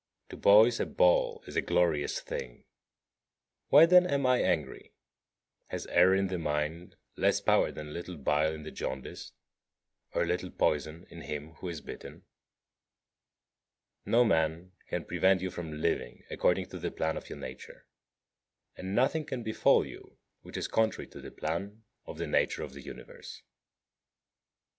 To boys a ball is a glorious thing. Why, then, am I angry? Has error in the mind less power than a little bile in the jaundiced, or a little poison in him who is bitten? 58. No man can prevent you from living according to the plan of your nature; and nothing can befall you which is contrary to the plan of the nature of the Universe.